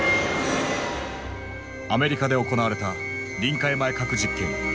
アメリカで行われた臨界前核実験。